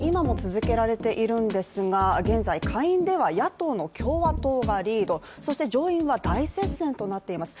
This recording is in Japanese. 開票作業は今も続けられているんですが、現在、下院では野党の共和党がリードそして上院は大接戦となっています。